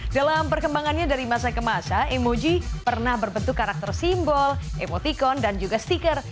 dalam perkembangannya dari masa ke masa emoji pernah berbentuk karakter simbol emotikon dan juga stiker